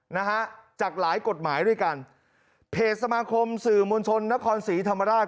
นะฮะจากหลายกฎหมายด้วยกันเพจสมาคมสื่อมวลชนนครศรีธรรมราช